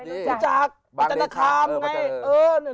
รู้จักอาจารย์ธรรมไง